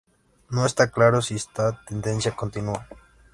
No está claro si esta tendencia continúa.